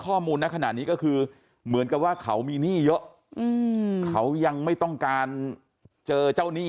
ข้อมูลในขณะนี้ก็คือเหมือนกับว่าเขามีหนี้เยอะเขายังไม่ต้องการเจอเจ้าหนี้